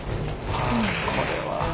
あこれは。